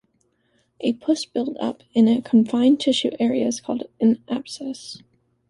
A pus build-up in a confined tissue area is called an abscess.